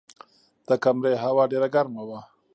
د کمرې هوا ډېره ګرمه وه.